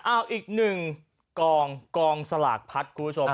เอาอีกหนึ่งกองกองสลากพัดคุณผู้ชม